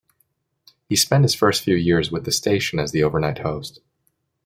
He spent his first few years with the station as the overnight host.